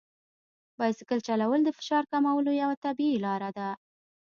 بایسکل چلول د فشار کمولو یوه طبیعي لار ده.